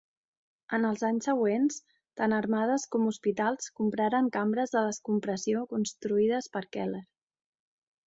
En els anys següents, tant armades com hospitals compraren cambres de descompressió construïdes per Keller.